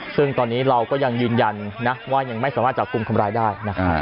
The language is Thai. ซึ่งตอนนี้เราก็ยังยืนยันนะว่ายังไม่สามารถจับกลุ่มคนร้ายได้นะฮะ